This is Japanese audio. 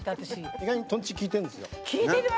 意外ととんちきいてるんです。